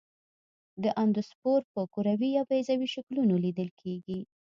دا اندوسپور په کروي یا بیضوي شکلونو لیدل کیږي.